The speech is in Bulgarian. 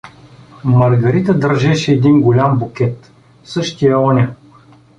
Маргарита държеше един голям букет, същия оня!